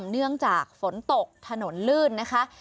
เนื่องจากฝนตกถนนลื่นนะคะ